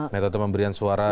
metode pemberian suara